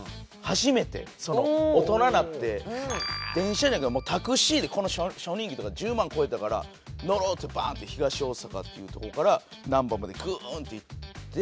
大人になって電車じゃなくてタクシーでこの初任給１０万超えたから「乗ろう！」ってバーンって東大阪っていうとこから難波までグーンって行って。